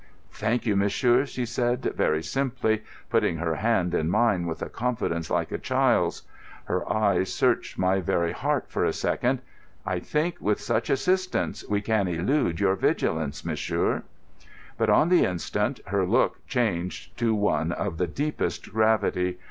"Thank you, monsieur," she said very simply, putting her hand in mine with a confidence like a child's. Her eyes searched my very heart for a second. "I think, with such assistance, we can elude your vigilance, monsieur." But on the instant her look changed to one of the deepest gravity.